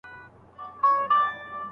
وه غنمرنګه ! نور لونګ سه چي په غاړه دي وړم